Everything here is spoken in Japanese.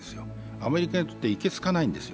アメリカにとっていけすかないんですよ。